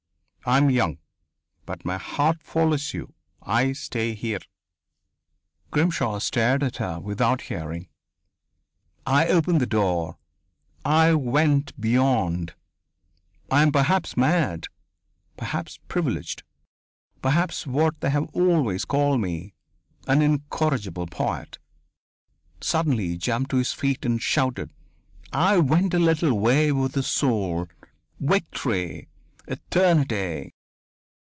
I am young. But my heart follows you. I stay here." Grimshaw stared at her without hearing. "I opened the door. I went beyond.... I am perhaps mad. Perhaps privileged. Perhaps what they have always called me an incorrigible poet." Suddenly he jumped to his feet and shouted: "I went a little way with his soul! Victory! Eternity!"